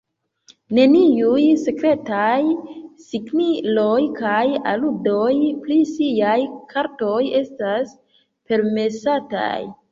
Neniuj sekretaj signaloj kaj aludoj pri siaj kartoj estas permesataj.